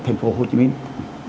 ở thành phố hồ chí minh